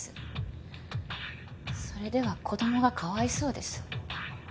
それでは子供がかわいそうです。